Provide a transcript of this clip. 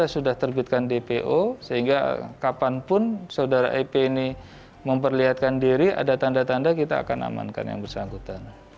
sudah terbitkan dpo sehingga kapanpun saudara ep ini memperlihatkan diri ada tanda tanda kita akan amankan yang bersangkutan